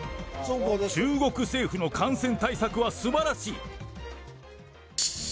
中国政府の感染対策はすばらしい。